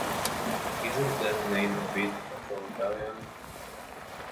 Isn’t that name a bit authoritarian?